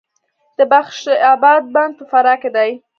د بخش اباد بند په فراه کې دی